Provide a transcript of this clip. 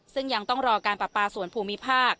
ซึ่งยังต้องรอการปรับปลาสวนภูมิภาค